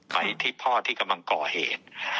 ไปที่พ่อที่กำลังก่อเหตุ